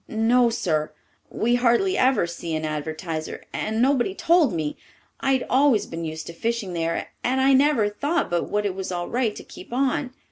"No, sir. We hardly ever see an Advertiser, and nobody told me. I'd always been used to fishing there, and I never thought but what it was all right to keep on.